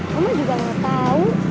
mama juga gak tau